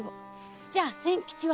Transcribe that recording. じゃあ千吉は！